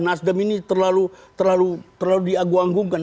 nasdem ini terlalu diagu anggungkan